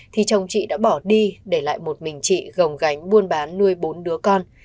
thì chồng chị đã bỏ đi để lại một mình chị gồng gánh buôn bán nuôi bốn đứa con